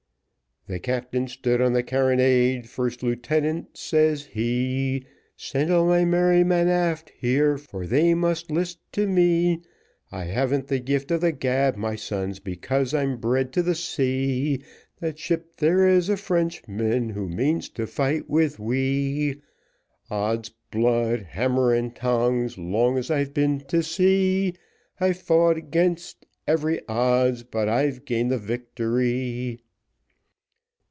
The captain stood on the carronade first lieutenant, says he, Send all my merry men aft here, for they must list to me: I havn't the gift of the gab, my sons because I'm bred to the sea, That ship there is a Frenchman, who means to fight with we. Odds blood, hammer and tongs, long as I've been to sea, I've fought 'gainst every odds but I've gained the victory.